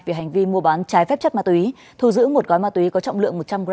về hành vi mua bán trái phép chất ma túy thu giữ một gói ma túy có trọng lượng một trăm linh g